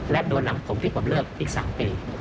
แล้วโดนหลังผมที่ผมเลิกอีกสามปี